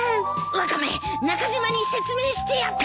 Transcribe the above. ワカメ中島に説明してやって！